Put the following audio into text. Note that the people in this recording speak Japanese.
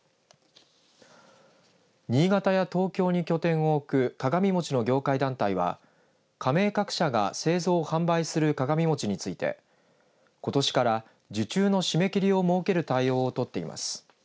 新潟や東京に拠点を置く鏡餅の業界団体は加盟各社が製造、販売する鏡餅についてことしから受注の締め切りを設ける対応を取っています。